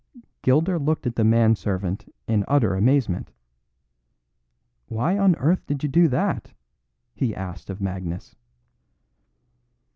Gilder looked at the man servant in utter amazement. "Why on earth did you do that?" he asked of Magnus.